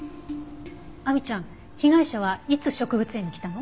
亜美ちゃん被害者はいつ植物園に来たの？